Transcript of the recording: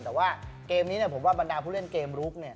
แต่ว่าเกมนี้เนี่ยผมว่าบรรดาผู้เล่นเกมลุกเนี่ย